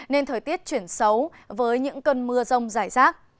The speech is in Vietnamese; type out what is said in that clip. nên thời tiết chuyển xấu với những cơn mưa rông rải rác